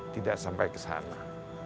tidak sampai ke sana